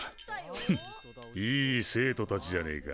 フッいい生徒たちじゃねえか。